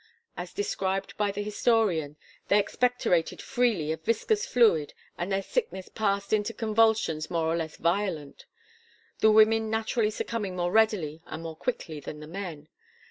As described by the historian, they expectorated freely a viscous fluid, and their sickness passed into convulsions more or less violent; the women naturally succumbing more readily and more quickly than the men.